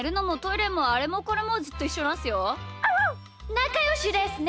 なかよしですね！